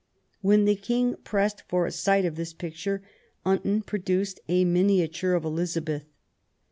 When the King pressed for a sight of this picture, Unton produced a miniature of Elizabeth.